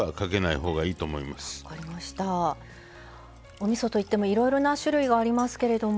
おみそといってもいろいろな種類がありますけれども。